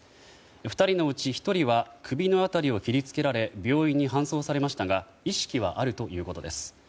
２人のうち１人は首の辺りを切り付けられ病院に搬送されましたが意識はあるということです。